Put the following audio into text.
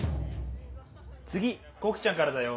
次洸稀ちゃんからだよ。